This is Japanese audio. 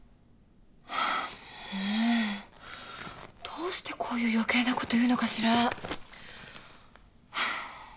どうしてこういう余計なこと言うのかしら？